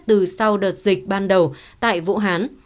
từ sau đợt dịch ban đầu tại vũ hán